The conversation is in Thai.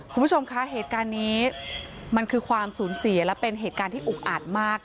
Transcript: คุณผู้ชมคะเหตุการณ์นี้มันคือความสูญเสียและเป็นเหตุการณ์ที่อุกอาจมาก